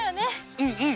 うんうん！